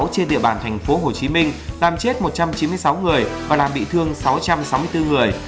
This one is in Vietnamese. trên địa bàn thành phố hồ chí minh làm ch ết một trăm chín mươi sáu người và làm bị thương sáu trăm sáu mươi bốn người